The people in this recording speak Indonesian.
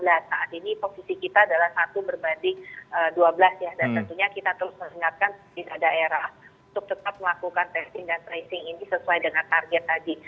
nah saat ini posisi kita adalah satu berbanding dua belas ya dan tentunya kita terus mengingatkan di daerah untuk tetap melakukan testing dan tracing ini sesuai dengan target tadi